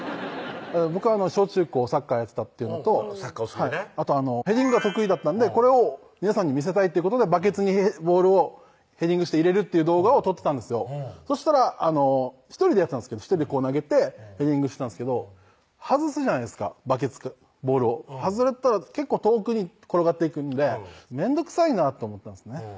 僕小中高サッカーやってたっていうのとサッカーお好きでねあとヘディングが得意だったんでこれを皆さんに見せたいってことでバケツにボールをヘディングして入れるっていう動画を撮ってたんですよそしたら１人でやってたんですけど１人でこう投げてヘディングしてたんですけど外すじゃないですかバケツボールを外れたら結構遠くに転がっていくんで面倒くさいなと思ったんですね